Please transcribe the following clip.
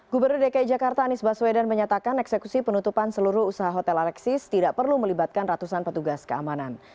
gubernur dki jakarta anies baswedan menyatakan eksekusi penutupan seluruh usaha hotel alexis tidak perlu melibatkan ratusan petugas keamanan